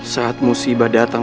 saat musibah datang